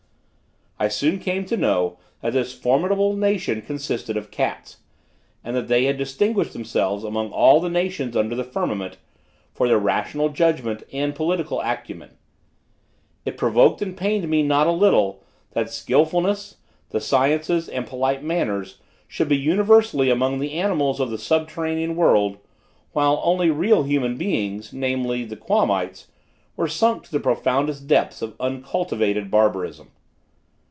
I soon came to know, that this formidable nation consisted of cats; and that they had distinguished themselves among all the nations under the firmament, for their rational judgment and political acumen. It provoked and pained me not a little, that skilfulness, the sciences, and polite manners, should be universally among the animals of the subterranean world, while only real human beings, namely, the Quamites were sunk to the profoundest depths of uncultivated barbarism.